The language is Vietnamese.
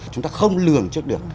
chúng ta không lường trước được